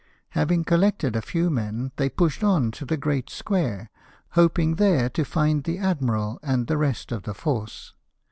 Having collected a few men, they pushed on to the great square, hoping there to find the admiral and the rest of the force.